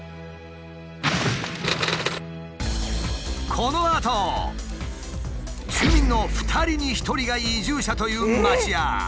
このあと住民の２人に１人が移住者という町や。